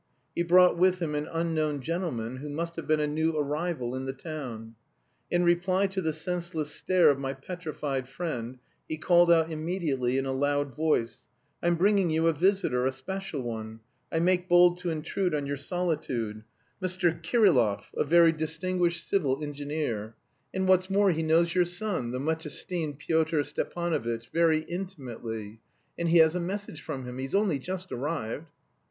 He brought with him an unknown gentleman, who must have been a new arrival in the town. In reply to the senseless stare of my petrified friend, he called out immediately in a loud voice: "I'm bringing you a visitor, a special one! I make bold to intrude on your solitude. Mr. Kirillov, a very distinguished civil engineer. And what's more he knows your son, the much esteemed Pyotr Stepanovitch, very intimately; and he has a message from him. He's only just arrived."